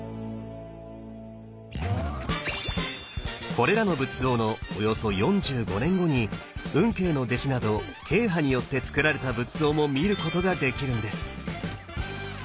これらの仏像のおよそ４５年後に運慶の弟子など慶派によってつくられた仏像も見ることができるんです！